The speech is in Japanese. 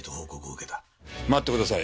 待ってください。